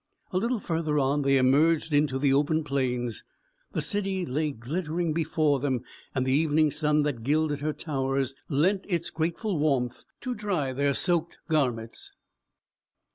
A little further on they emerged into the open plains. The city lay glittering before them, and the evening sun that gilded her towers, lent its grateful warmth to dry their soaked garments.